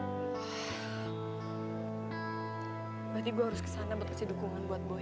berarti gue harus kesana buat kasih dukungan buat boy